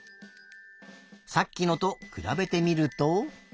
さっきのとくらべてみると。